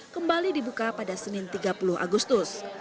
kembali dibuka pada senin tiga puluh agustus